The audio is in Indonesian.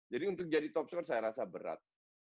jadi untuk jadi topscorer saya rasa berat